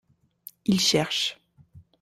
Il cherche.